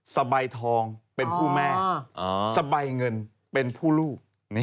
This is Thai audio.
สบายทองเป็นผู้แม่สบายเงินเป็นผู้ลูก